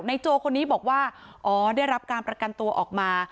โจคนนี้บอกว่าอ๋อได้รับการประกันตัวออกมา